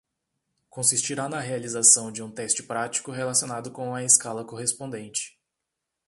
Consistirá na realização de um teste prático relacionado com a escala correspondente.